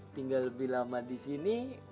tinggal lebih lama disini